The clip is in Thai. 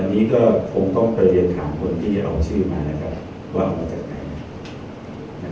อันนี้ก็ผมต้องไปเรียนถามคนที่เอาชื่อมานะครับว่าออกมาจากไหนนะครับ